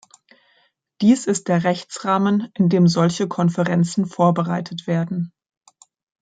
Dies ist der Rechtsrahmen, in dem solche Konferenzen vorbereitet werden.